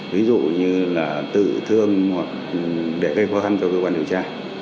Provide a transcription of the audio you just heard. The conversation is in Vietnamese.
ví dụ như là tự thương hoặc để gây khó khăn cho cơ quan điều tra